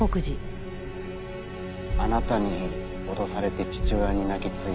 あなたに脅されて父親に泣きついた。